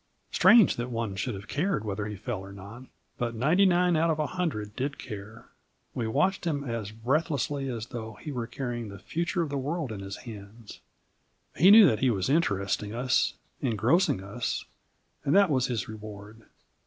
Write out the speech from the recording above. Strange that one should have cared whether he fell or not! But ninety nine out of a hundred did care. We watched him as breathlessly as though he were carrying the future of the world in his hands. He knew that he was interesting us, engrossing us, and that was his reward.